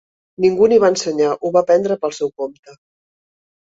Ningú n'hi va ensenyar; ho va aprendre pel seu compte.